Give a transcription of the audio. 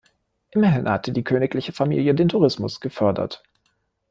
Immerhin hatte die königliche Familie den Tourismus gefördert.